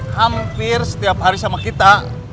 hampir setiap hari sama kita